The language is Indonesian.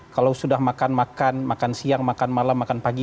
kalau sudah makan makan makan siang makan malam makan pagi